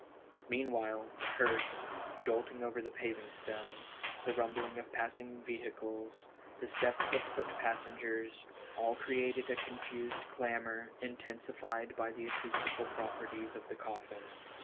Meanwhile, the hearse, jolting over the paving stones, the rumbling of passing vehicles, the steps of the loot passengers, all cre ated a confused clamor, intensified by the acoustical properties of the coffin.